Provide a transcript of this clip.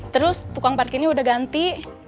terus tukang parkirnya udah ganti